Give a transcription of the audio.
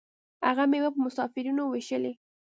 هغه میوې په مسافرینو ویشلې.